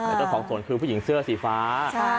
เลยต้องของส่วนคือผู้หญิงเสื้อสีฟ้า